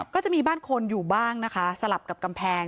ก็จะมีบ้านคนอยู่บ้างนะคะสลับกับกำแพง